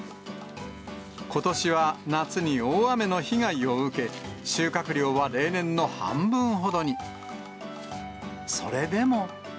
ことしは夏に大雨の被害を受け、収穫量は例年の半分ほどに。それでも。